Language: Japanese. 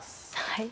はい。